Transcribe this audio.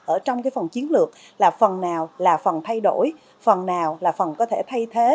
ở trong cái phần chiến lược là phần nào là phần thay đổi phần nào là phần có thể thay thế